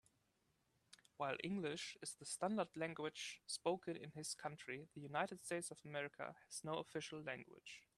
While English is the standard language spoken in his country, the United States of America has no official language.